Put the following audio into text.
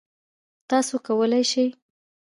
تاسو کولی شئ